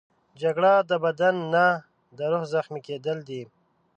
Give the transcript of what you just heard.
جګړه د بدن نه، د روح زخمي کېدل دي